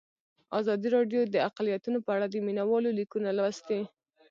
ازادي راډیو د اقلیتونه په اړه د مینه والو لیکونه لوستي.